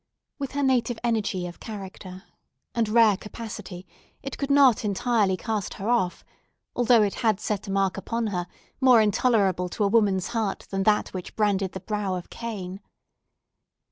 With her native energy of character and rare capacity, it could not entirely cast her off, although it had set a mark upon her, more intolerable to a woman's heart than that which branded the brow of Cain.